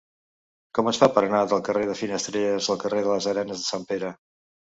Com es fa per anar del carrer de Finestrelles al carrer de les Arenes de Sant Pere?